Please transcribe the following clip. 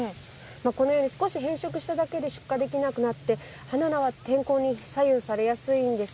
このように少し変色しただけで出荷できなくなって花菜は天候に左右されやすいんです。